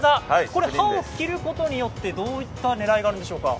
これ歯を切ることによって、どういった効果があるんでしょうか？